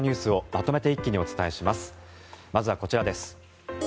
まずはこちらです。